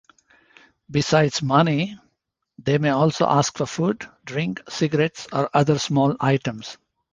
Besides money, they may also ask for food, drink, cigarettes or other small items.